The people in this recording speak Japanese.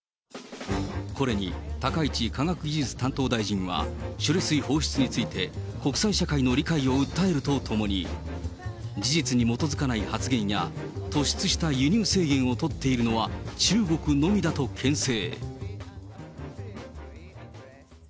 これに高市科学技術担当大臣は、処理水放出について、国際社会の理解を訴えるとともに、事実に基づかない発言や、突出した輸入制限を取っているのは、中国のみだとけん制。